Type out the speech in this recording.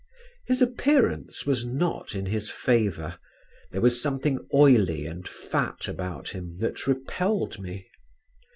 His appearance was not in his favour; there was something oily and fat about him that repelled me.